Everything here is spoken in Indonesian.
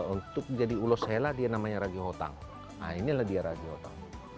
untuk jadi ulos hela dia namanya ragiotang nah inilah dia ragiotang